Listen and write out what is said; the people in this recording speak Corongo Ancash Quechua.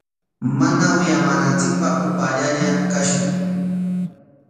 Mana wiyamananchikpaq upaallalla kashun.